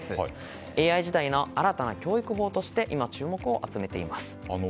ＡＩ時代の新たな教育法として今、注目を集めています。